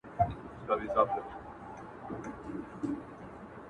د غمي له زوره مست ګرځي نشه دی,